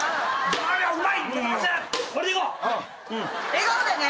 笑顔でね。